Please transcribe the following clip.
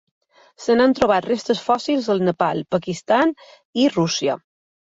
Se n'han trobat restes fòssils al Nepal, Pakistan i Rússia.